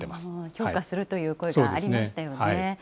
評価するという声がありましたよね。